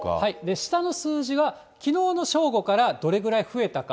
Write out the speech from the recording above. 下の数字は、きのうの正午からどれぐらい増えたか。